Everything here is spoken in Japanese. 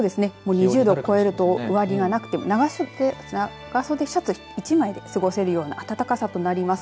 ２０度を超えると上着がなくても長袖シャツ１枚で過ごせるような暖かさとなります。